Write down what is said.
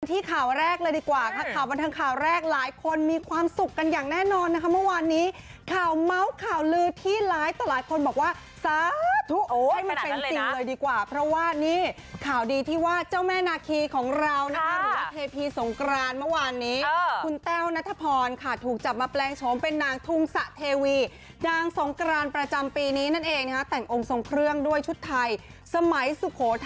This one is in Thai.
ที่ข่าวแรกเลยดีกว่าครับข่าวบันทักข่าวแรกหลายคนมีความสุขกันอย่างแน่นอนนะครับเมื่อวานนี้ข่าวเมาท์ข่าวลือที่ร้ายแต่หลายคนบอกว่าซาดทุกให้มันเป็นสิ่งเลยดีกว่าเพราะว่านี่ข่าวดีที่ว่าเจ้าแม่นาคีของเรานะคะหรือว่าเทพีสงครานเมื่อวานนี้คุณแต้วนัทพรค่ะถูกจับมาแปลงโชมเป็นนางทุ่งส